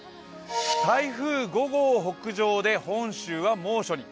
台風５号北上で本州は猛暑に。